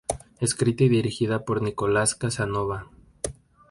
Escrita y dirigida por Nicolás Casanova.